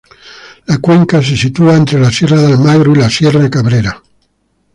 La cuenca se sitúa entre la sierra de Almagro y la sierra Cabrera.